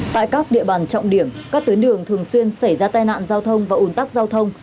tại các địa bàn trọng điểm các tuyến đường thường xuyên xảy ra tai nạn giao thông và ủn tắc giao thông